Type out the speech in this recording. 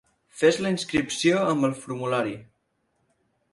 Fes la inscripció amb el formulari.